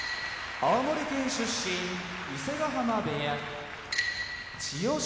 富士青森県出身伊勢ヶ濱部屋千代翔